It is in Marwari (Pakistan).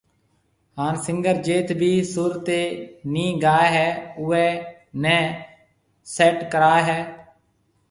ھان سنگر جيٿ بِي سُر تي ني گايو ھيَََ اوئي ني سيٽ ڪراوي ھيَََ